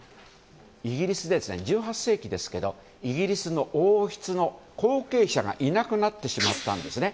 イギリスで１８世紀イギリスの王室の後継者がいなくなってしまったんですね。